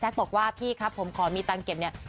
แซคบอกว่าพี่ครับผมขอมีตังเก็บนี้